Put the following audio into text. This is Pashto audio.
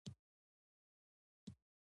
آیا یوه تېل او بل اوبه نلري؟